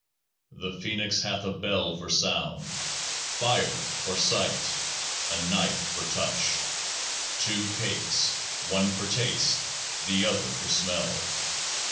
33 The Phoenix hath a Bell for Sound ; Fire for Sight ; a Knife for Touch ; two cakes, one for taste, the other for smell.